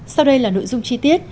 sau đây là nội dung chi tiết